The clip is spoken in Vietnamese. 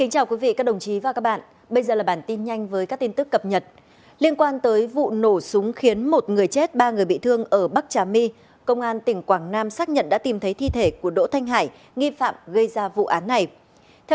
hãy đăng ký kênh để ủng hộ kênh của chúng mình nhé